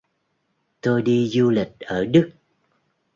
tôi đi du lịch ở đức